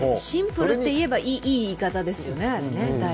シンプルっていえばいい言い方ですよね。